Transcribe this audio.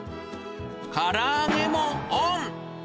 から揚げもオン。